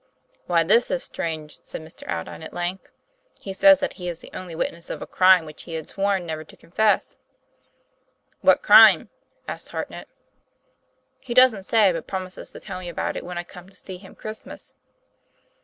" Why, this is strange !" said Mr. Aldine, at length. " He says that he is the only witness of a crime which he had sworn never to confess." "What crime?" asked Hartnett. 'He doesn't say; but promises to tell me about it when I come to see him Christmas."